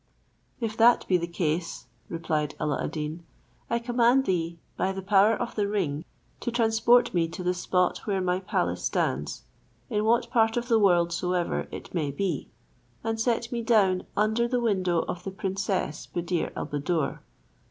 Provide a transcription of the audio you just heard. "If that be the case," replied Alla ad Deen, "I command thee, by the power of the ring, to transport me to the spot where my palace stands, in what part of the world soever it may be, and set me down under the window of the princess Buddir al Buddoor."